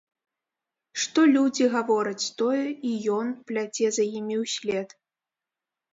Што людзі гавораць, тое і ён пляце за імі ўслед.